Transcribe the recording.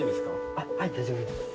あはい大丈夫です。